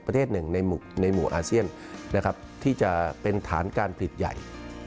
ประเทศหนึ่งในหมู่อาเซียนนะครับที่จะเป็นฐานการผลิตใหญ่